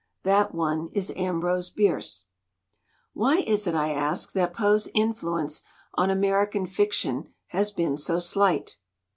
That one is Ambrose Bierce." "Why is it," I asked, "that Poe's influence on American fiction has been so slight?"